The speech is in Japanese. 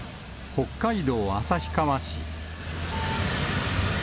北海道旭川市。